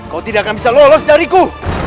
kau tidak akan bisa lolos dariku